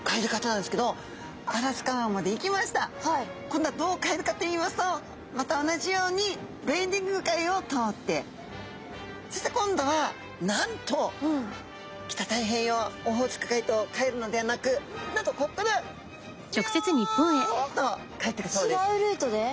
今度はどう帰るかといいますとまた同じようにベーリング海を通ってそして今度はなんと北太平洋オホーツク海と帰るのではなくなんとこっからビヨンと帰ってくそうです。